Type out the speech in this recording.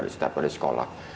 setiap kali sekolah